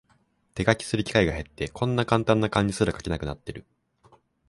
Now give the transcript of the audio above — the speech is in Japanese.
手書きする機会が減って、こんなカンタンな漢字すら書けなくなってる